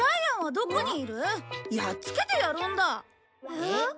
えっ？